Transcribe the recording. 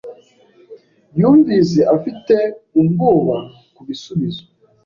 Yumvise afite ubwoba kubisubizo.